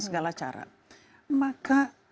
segala cara maka